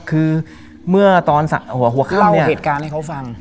คือเมื่อตอนหัวเขาเล่าเหตุการณ์ให้เขาฟัง